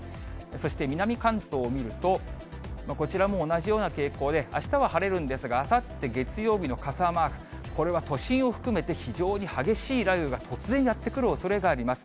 そして南関東を見ると、こちらも同じような傾向で、あしたは晴れるんですが、あさって月曜日の傘マーク、これは都心を含めて非常に激しい雷雨が突然、やって来るおそれがあります。